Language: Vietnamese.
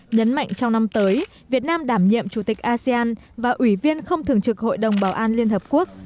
nhấn mạnh trong năm tới việt nam đảm nhiệm chủ tịch asean và ủy viên không thường trực hội đồng bảo an liên hợp quốc